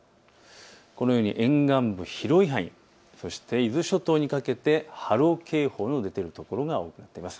このように沿岸部の広い範囲、そして伊豆諸島にかけて波浪警報の出ているところがあります。